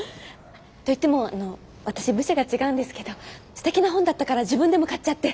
といってもあの私部署が違うんですけどすてきな本だったから自分でも買っちゃって。